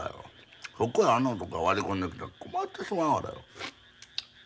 そこへあの男が割り込んできたら困ってしまうわらよ。